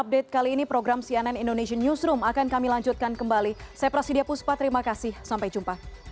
tidak ada yang bisa diberikan